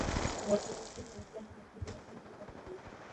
বর্তমানে তিনি ওকলাহোমা সিটির একজন ভূতত্ত্ববিদ।